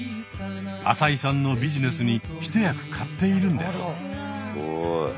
浅井さんのビジネスに一役買っているんです。